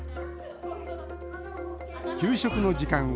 給食の時間。